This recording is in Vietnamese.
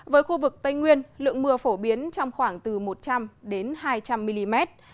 với khu vực tây nguyên lượng mưa phổ biến trong khoảng từ một trăm linh hai trăm linh mm